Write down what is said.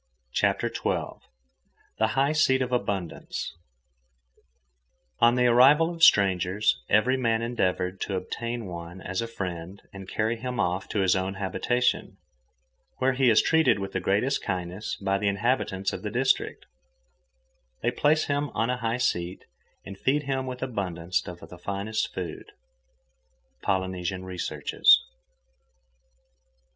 CHAPTER XII THE HIGH SEAT OF ABUNDANCE On the arrival of strangers, every man endeavoured to obtain one as a friend and carry him off to his own habitation, where he is treated with the greatest kindness by the inhabitants of the district; they place him on a high seat and feed him with abundance of the finest food.—Polynesian Researches.